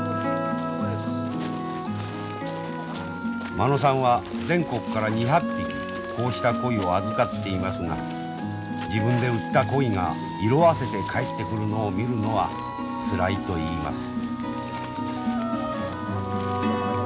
間野さんは全国から２００匹こうした鯉を預かっていますが「自分で売った鯉が色あせて帰ってくるのを見るのはつらい」と言います。